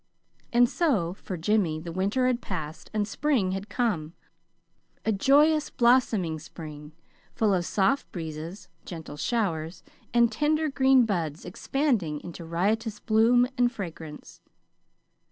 And so for Jimmy the winter had passed and spring had come a joyous, blossoming spring full of soft breezes, gentle showers, and tender green buds expanding into riotous bloom and fragrance.